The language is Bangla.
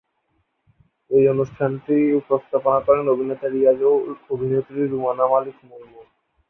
এই অনুষ্ঠানটি উপস্থাপনা করেন অভিনেতা রিয়াজ ও অভিনেত্রী রুমানা মালিক মুনমুন।